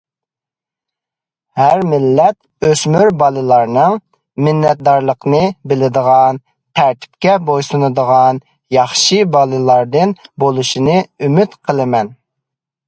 ھەر مىللەت ئۆسمۈرلەر- بالىلارنىڭ مىننەتدارلىقنى بىلىدىغان، تەرتىپكە بويسۇنىدىغان ياخشى بالىلاردىن بولۇشىنى ئۈمىد قىلىمەن.